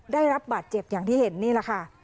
ได้รับบาดเจ็บอย่างที่เห็นนี่แหละค่ะ